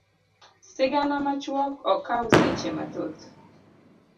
Sigana machuok ok kaw seche mathoth.